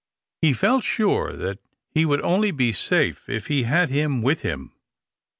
He felt sure that he would only be safe if he had him with him.